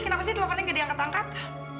kenapa sih teleponnya gak diangkat angkat